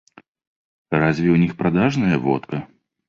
Разве у них продажная водка?